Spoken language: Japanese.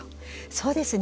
そうですね。